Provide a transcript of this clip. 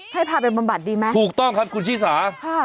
ให้พาเป็นประบัติดีไหมคุณชิสาถูกต้องครับ